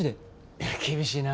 いや厳しいなぁ。